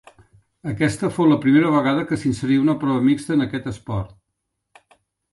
Aquesta fou la primera vegada que s'inserí una prova mixta en aquest esport.